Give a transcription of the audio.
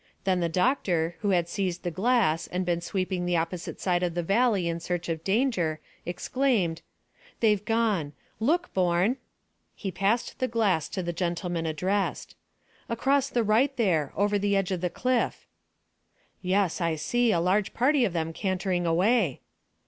Then the doctor, who had seized the glass and been sweeping the opposite side of the valley in search of danger, exclaimed "They've gone. Look, Bourne." He passed the glass to the gentleman addressed. "Across the right, there, over the edge of the cliff." "Yes, I see; a large party of them cantering away."